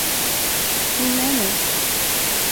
Häng med nu.